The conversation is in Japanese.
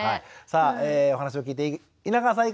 さあお話を聞いて稲川さん